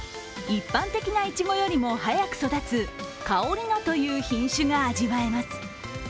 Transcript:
一般的ないちごよりも早く育つ、かおり野という品種が味わえます。